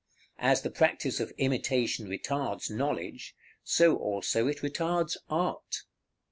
As the practice of imitation retards knowledge, so also it retards art.